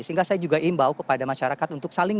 sehingga saya juga imbau kepada masyarakat untuk saling